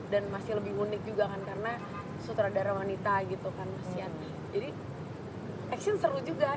dan masih lebih unik juga kan karena sutradara wanita gitu kan masyarakat